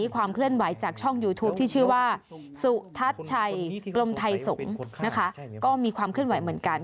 กรมไทยสงฆ์นะคะก็มีความขึ้นไหวเหมือนกัน